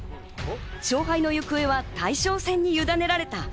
勝敗の行方は大将戦にゆだねられた。